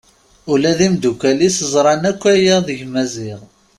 Ula d imddukal-is ẓran akk aya deg Maziɣ.